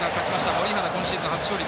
森原、今シーズン初勝利。